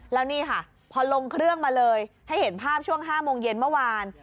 แล้วนี่ค่ะพอลงเครื่องมาเลยให้เห็นภาพช่วง๕โมงเย็นเมื่อวาน